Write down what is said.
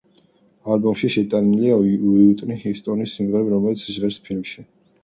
ალბომში შეტანილია უიტნი ჰიუსტონის სიმღერები, რომლებიც ჟღერს ფილმში.